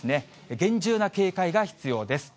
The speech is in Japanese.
厳重な警戒が必要です。